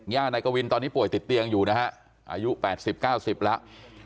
นายกวินตอนนี้ป่วยติดเตียงอยู่นะฮะอายุ๘๐๙๐แล้ว